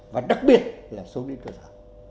và đặc biệt là số nữ cơ sở